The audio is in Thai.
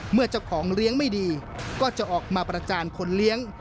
เมื่อเจ้าของเลี้ยงไม่ดีก็จะออกมาประจานคนเลี้ยง